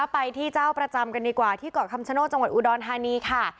ไปที่เจ้าประจำกันดีกว่าที่เกาะคำชโนธจังหวัดอุดรธานีค่ะ